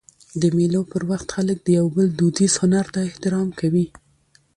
د مېلو پر وخت خلک د یو بل دودیز هنر ته احترام کوي.